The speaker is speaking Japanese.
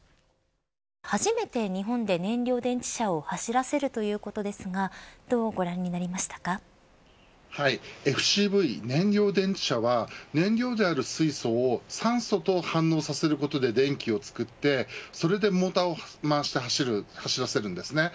初めて日本で燃料電池車を走らせるということですがＦＣＶ燃料電池車は燃料である水素を酸素と反応させることで電気を作ってそれでモーターを回して走らせるんです。